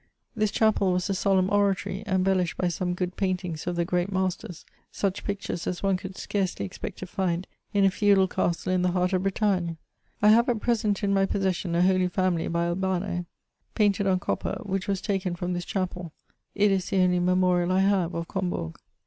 This chapel was a solemn oratory, embellished by some good paintings of the great 'masters; such pictures as one could scarcely expect to find in a feudal castle in the heart of Bretagne. I have at present in my possession a Holy Family, by Albano, painted on copper, which was taken from this chapel ; it is the only memorial I have of Combourg.